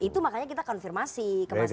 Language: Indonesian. itu makanya kita konfirmasi ke mas jarod